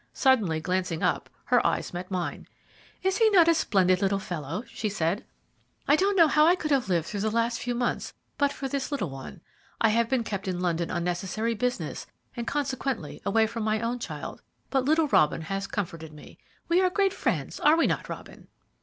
Suddenly glancing up, her eyes met mine. "Is he not a splendid little fellow?" she said. "I don't know how I could have lived through the last few months but for this little one. I have been kept in London on necessary business, and consequently away from my own child; but little Robin has comforted me. We are great friends, are we not, Robin?"